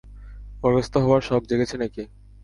বরখাস্ত হওয়ার শখ জেগেছে নাকি?